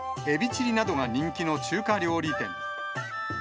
エビチリなどが人気の中華料理店。